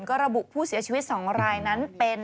ก็ระบุผู้เสียชีวิต๒รายนั้นเป็น